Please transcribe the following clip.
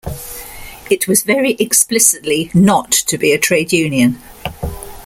It was very explicitly not to be a Trade Union.